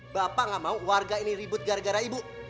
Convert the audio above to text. bapak nggak mau warga ini ribut gara gara ibu